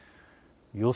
予想